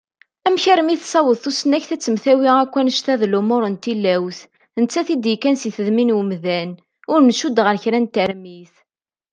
Amek armi tassaweḍ tusnakt ad temtawi akk annect-a d lumuṛ n tilawt, nettat i d-yekkan si tedmi n umdan, ur ncudd ɣer kra n termit?